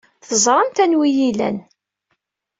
Teẓramt anwa ay iyi-ilan.